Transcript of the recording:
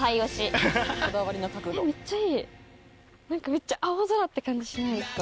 めっちゃ青空って感じしないですか？